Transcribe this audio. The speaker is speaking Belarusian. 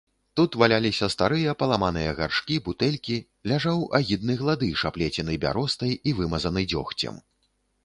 Тут валяліся старыя, паламаныя гаршкі, бутэлькі, ляжаў агідны гладыш, аплецены бяростай і вымазаны дзёгцем.